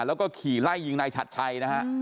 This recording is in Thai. แล้วก็ขี่ไล่ยิงนายฉัดชัยนะฮะ